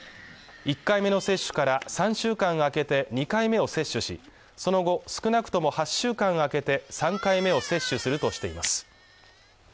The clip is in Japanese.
１回目の接種から３週間空けて２回目を接種しその後少なくとも８週間空けて３回目を接種するとしています